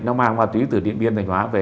nó mang qua tùy từ điện biên thành hóa về